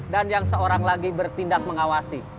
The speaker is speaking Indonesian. dan yang seorang lagi bertindak mengawasi